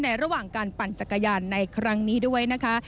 ระหว่างการปั่นจักรยานในครั้งนี้ด้วยนะคะ